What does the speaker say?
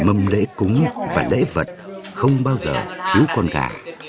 mâm lễ cúng và lễ vật không bao giờ thiếu con gà